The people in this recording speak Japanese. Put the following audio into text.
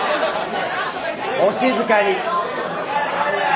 お静かに。